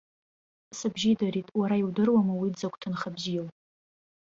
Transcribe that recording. Сыбжьы идырит, уара иудыруама уи дзакә ҭынха бзиоу!